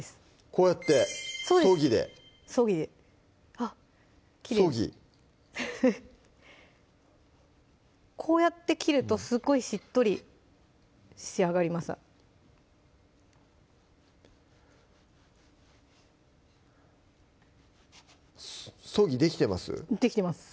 こうやってそぎでそぎであっきれいそぎこうやって切るとすごいしっとり仕上がりますそぎできてます？